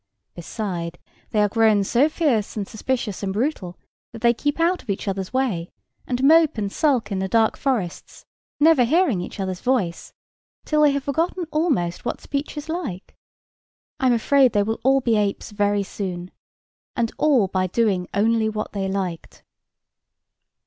Beside, they are grown so fierce and suspicious and brutal that they keep out of each other's way, and mope and sulk in the dark forests, never hearing each other's voice, till they have forgotten almost what speech is like. I am afraid they will all be apes very soon, and all by doing only what they liked."